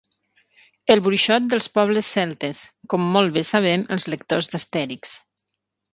El bruixot dels pobles celtes, com molt bé sabem els lectors d'Astèrix.